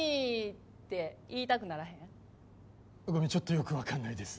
ごめんちょっとよくわかんないです。